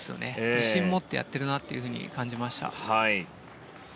自信を持ってやってるなと感じました。